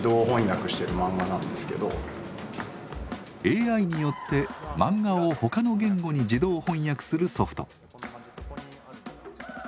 ＡＩによってマンガを他の言語に自動翻訳するソフト。